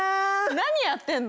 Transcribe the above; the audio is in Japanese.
何やってんの？